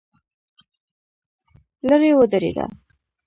لرې ودرېده.